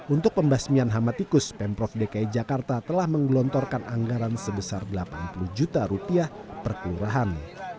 untuk pembasmian hama tikus pemprov dki jakarta telah menggelontorkan anggaran sebesar delapan puluh juta rupiah per kelurahan